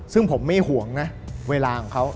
ซึ่งผมไม่ห่วงนะเวลาของเขา